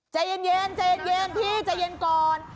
ใจเย็นพี่ใจเย็นก่อน